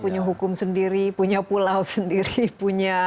punya hukum sendiri punya pulau sendiri punya